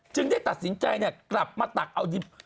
ได้ตัดสินใจกลับมาตักเอาดิบ